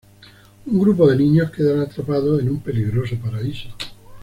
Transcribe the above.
Un grupo de niños quedan atrapados en un peligroso paraíso.